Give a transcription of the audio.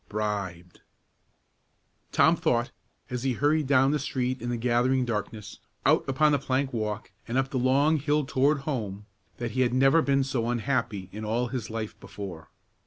bribed!" Tom thought, as he hurried down the street in the gathering darkness, out upon the plank walk, and up the long hill toward home, that he had never been so unhappy in all his life before.